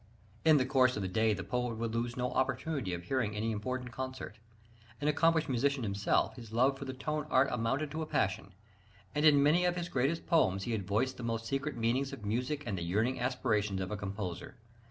In the course of the day the poet would lose no opportunity of hearing any important concert: an accomplished musician himself, his love for the tone art amounted to a passion: and in many of his greatest poems, he had voiced the most secret meanings of music, and the yearning aspirations of a composer.